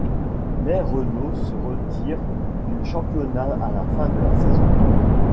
Mais Renault se retire du championnat à la fin de la saison.